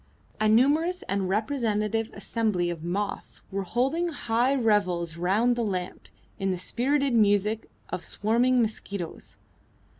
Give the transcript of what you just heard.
A numerous and representative assembly of moths were holding high revels round the lamp to the spirited music of swarming mosquitoes.